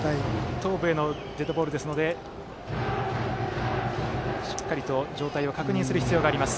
頭部へのデッドボールですのでしっかりと状態を確認する必要があります。